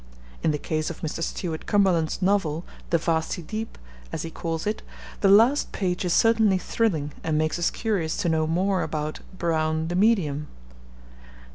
In the case of Mr. Stuart Cumberland's novel, The Vasty Deep, as he calls it, the last page is certainly thrilling and makes us curious to know more about 'Brown, the medium.'